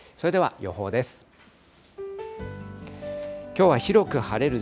それでは予報です。